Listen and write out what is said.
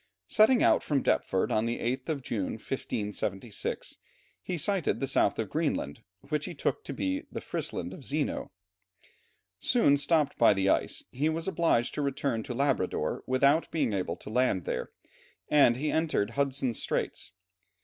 Setting out from Deptford on the 8th of June, 1576, he sighted the south of Greenland, which he took for the Frisland of Zeno. Soon stopped by the ice, he was obliged to return to Labrador without being able to land there, and he entered Hudson's Straits.